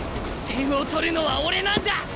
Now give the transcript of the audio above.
点を取るのは俺なんだ！